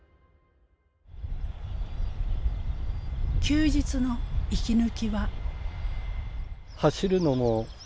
休日の息抜きは。